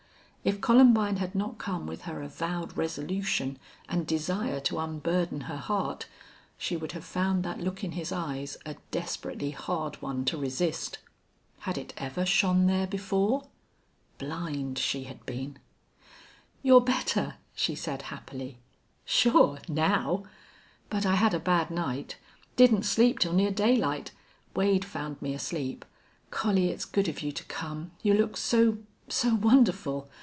If Columbine had not come with her avowed resolution and desire to unburden her heart she would have found that look in his eyes a desperately hard one to resist. Had it ever shone there before? Blind she had been. "You're better," she said, happily. "Sure now. But I had a bad night. Didn't sleep till near daylight. Wade found me asleep.... Collie, it's good of you to come. You look so so wonderful!